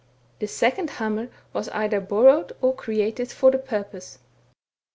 The second hamr was either borrowed or created for the purpose.